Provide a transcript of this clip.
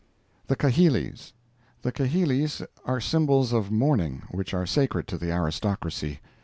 THE KAHILIS The kahilis are symbols of mourning which are sacred to the aristocracy.